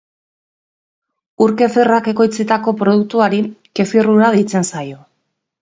Ur-kefirrak ekoitzitako produktuari kefir-ura deitzen zaio.